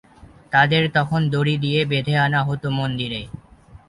তাদের তখন দড়ি দিয়ে বেঁধে আনা হত মন্দিরে।